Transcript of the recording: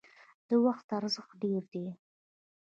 د وخت ارزښت ډیر دی